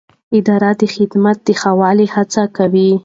اداره د خدمت د ښه والي هڅه کوي.